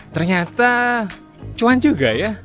ternyata cuan juga ya